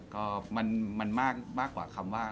ก็มันมากกว่าคำว่า